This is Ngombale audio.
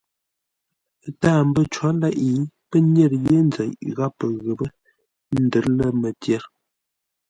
Ə́ táa mbə́ có leʼé, pə́ nyə̂r yé nzeʼ gháp pə ghəpə́ ə́ ndə̌r lə̂ mətyer.